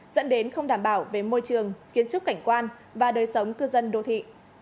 dẫn đến không đảm bảo về môi trường kiến trúc cảnh quan và đời sống cư dân đô thị